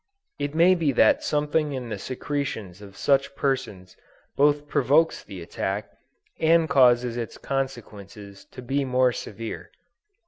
It may be that something in the secretions of such persons both provokes the attack, and causes its consequences to be more severe.